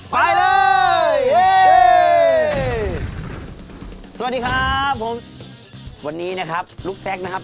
ไปเลยสวัสดีครับผมวันนี้นะครับลูกแซคนะครับ